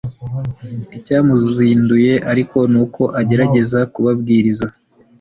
icyamuzinduye, ariko nuko agerageza kubabwiriza